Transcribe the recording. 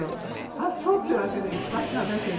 あっそうっていうわけでいっぱい食べてね